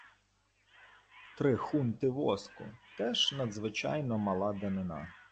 "Три хунти воску" — теж надзвичайно мала данина.